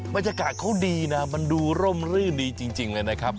บรรยากาศเขาดีนะมันดูร่มรื่นดีจริงเลยนะครับ